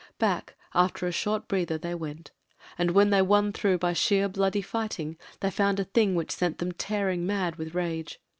Back, after a short breather, they went, and when they won through by sheer bloody fighting, they found a thing which sent them tearing mad with rage.